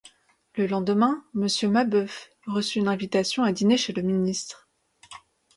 Le lendemain Monsieur Mabeuf reçut une invitation à dîner chez le ministre.